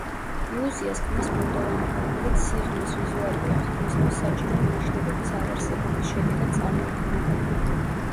ილუზიას ქმნის ბუნდოვანება, რომელიც სიღრმის ვიზუალური აღქმისთვის საჭირო მინიშნებების არარსებობის შედეგად წარმოიქმნება.